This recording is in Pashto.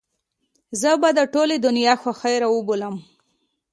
زه به د ټولې دنيا خوښۍ راوبولم.